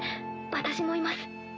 私もいます。